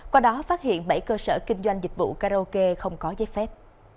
qua đó phát hiện bảy cơ sở kinh doanh dịch vụ karaoke không có giấy phép